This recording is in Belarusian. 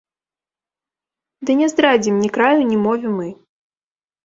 Ды не здрадзім ні краю, ні мове мы.